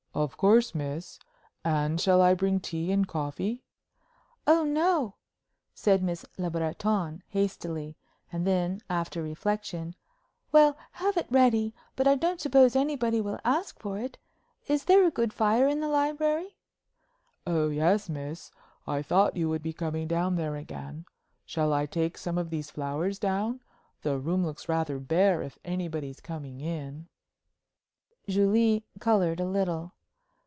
"Of course, miss. And shall I bring tea and coffee?" "Oh no," said Miss Le Breton, hastily; and then, after reflection, "Well, have it ready; but I don't suppose anybody will ask for it. Is there a good fire in the library?" "Oh yes, miss. I thought you would be coming down there again. Shall I take some of these flowers down? The room looks rather bare, if anybody's coming in." Julie colored a little.